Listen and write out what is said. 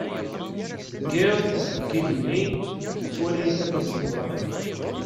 Deg yiḍ, deg yigenni, nettwali itran yettnezraqen.